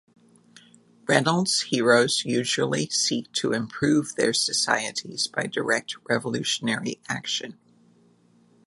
Reynolds' heroes usually seek to improve their societies by direct revolutionary action.